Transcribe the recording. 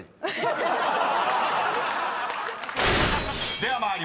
［では参ります。